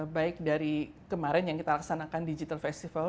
baik dari kemarin yang kita laksanakan digital festival